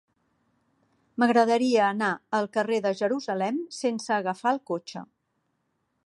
M'agradaria anar al carrer de Jerusalem sense agafar el cotxe.